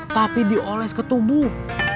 tapi dioles ke tubuh